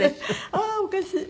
ああーおかしい。